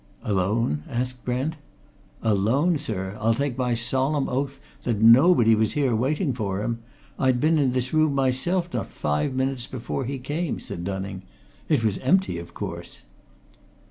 "Alone?" asked Brent. "Alone, sir! And I'll take my solemn oath that nobody was here, waiting for him. I'd been in this room myself, not five minutes before he came," said Dunning. "It was empty of course."